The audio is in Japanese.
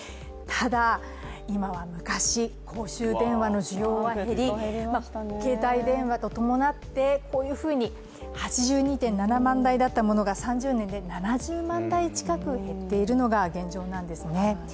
ただ、今は昔、公衆電話の需要は減り携帯電話と伴ってこういうふうに８２．７万台だったものが３０年で７０万台近く減っているのが現状なんですね。